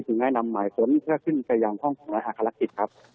ซึ่งให้นำหมายสวนเชื่อขึ้นไปยังห้องของนัยอักษรักษิตครับ